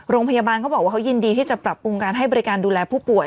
โรงพยาบาลเขาบอกว่าเขายินดีที่จะปรับปรุงการให้บริการดูแลผู้ป่วย